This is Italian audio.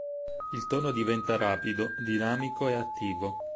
Il tono diventa rapido, dinamico e attivo.